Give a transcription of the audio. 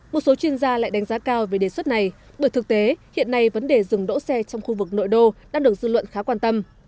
một số chuyên gia lại đánh giá cao về đề xuất này bởi thực tế hiện nay vấn đề dừng đỗ xe trong khu vực nội đô đang được dư luận khá quan tâm